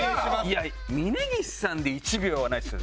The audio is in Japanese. いや峯岸さんで１秒はないですよ。